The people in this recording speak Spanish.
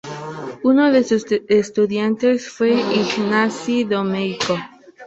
Uno de sus estudiantes fue Ignacy Domeyko.